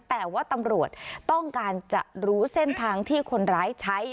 แต่ว่าตำรวจต้องการจะรู้เส้นทางที่คนร้ายใช้